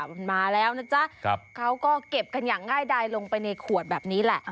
มันมาแล้วนะจ๊ะเขาก็เก็บกันอย่างง่ายดายลงไปในขวดแบบนี้แหละ